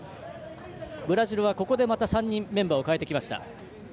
ブラジルはここでまた３人メンバーを代えてきました。